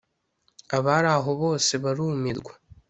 Abari aho bose barumirwa